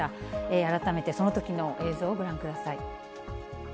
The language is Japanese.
改めてそのときの映像をご覧ください。